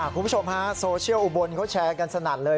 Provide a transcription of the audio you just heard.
คุณผู้ชมฮะโซเชียลอุบลเขาแชร์กันสนั่นเลย